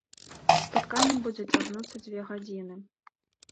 Спатканне будзе цягнуцца дзве гадзіны.